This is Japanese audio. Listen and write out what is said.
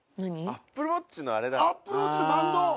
アップルウォッチのバンド。